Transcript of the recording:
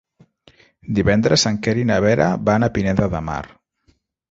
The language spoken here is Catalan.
Divendres en Quer i na Vera van a Pineda de Mar.